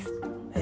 え